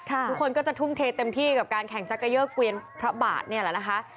ทุกคนก็จะทุ่มเทเต็มที่กับการแข่งจักรเยอร์เกวียนพระบาทนี่แหละนะคะ